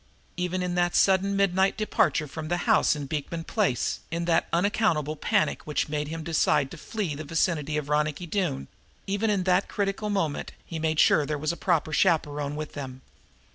Even in that sudden midnight departure from the house in Beekman Place, in that unaccountable panic which made him decide to flee from the vicinity of Ronicky Doone even in that critical moment he had made sure that there was a proper chaperon with them.